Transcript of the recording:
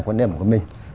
quan điểm của mình